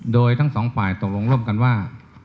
โดยทั้งสองฝ่ายตกลงร่วมกันว่า